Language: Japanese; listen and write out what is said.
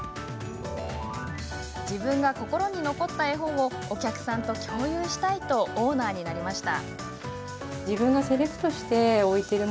自分が心に残った絵本をお客さんと共有したいとオーナーになりました。